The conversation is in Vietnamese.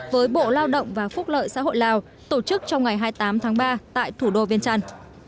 với bộ lao động và phúc lợi xã hội lào tổ chức trong ngày hai mươi tám tháng ba tại thủ đô viên trăn